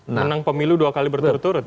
menang pemilu dua kali berturut turut